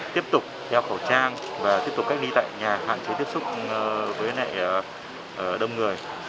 tiếp tục đeo khẩu trang và tiếp tục cách ly tại nhà hạn chế tiếp xúc với nệ đông người